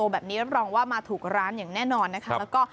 แล้วรองว่ามาถูกร้านอย่างแน่นอนนะคะ